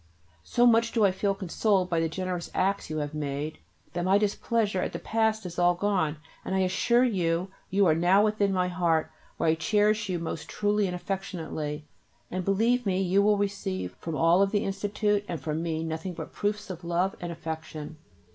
So much do I feel consoled by the generous acts you have made[B] that my displeasure at the past is all gone, and I assure you you are now within my heart, where I cherish you most truly and affectionately, and believe me you will receive from all of the Institute and from me nothing but proofs of love and affection.